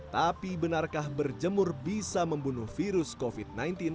tapi benarkah berjemur bisa membunuh virus covid sembilan belas